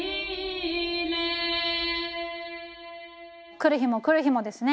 来る日も来る日もですね